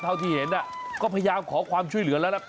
เท่าที่เห็นก็พยายามขอความช่วยเหลือแล้วนะ